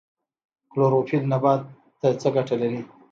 کلوروفیل نبات ته څه ګټه لري؟